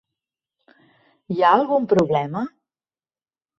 Hi ha algun problema?